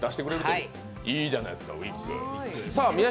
いいじゃないですか、ウイッグ。